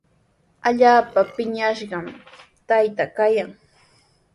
Allaapa piñashqami taytaa kaykan.